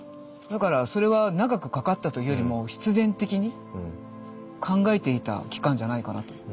だからそれは長くかかったというよりも必然的に考えていた期間じゃないかなと。